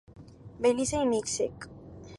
Belize i Mèxic.